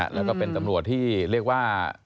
แล้วก็เป็นตำรวจที่เรียกว่า